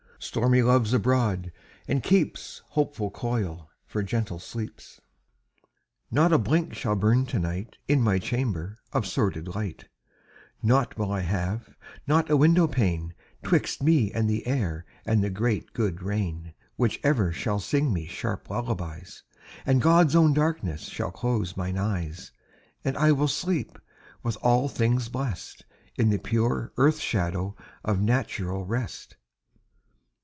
Stormy Love's abroad, and keeps Hopeful coil for gentle sleeps. Not a blink shall burn to night In my chamber, of sordid light; Nought will I have, not a window pane, 'Twixt me and the air and the great good rain, Which ever shall sing me sharp lullabies; And God's own darkness shall close mine eyes; And I will sleep, with all things blest, In the pure earth shadow of natural rest.